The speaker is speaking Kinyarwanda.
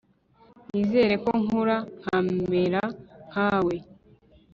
nizere ko nkura nkamera nkawe